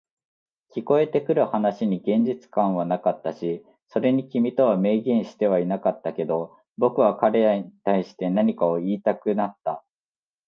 聞こえてくる話に現実感はなかったし、それに君とは明言してはいなかったけど、僕は彼らに対して何かを言いたくなった。